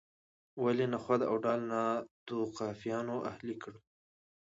ولې نخود او دال ناتوفیانو اهلي کړل.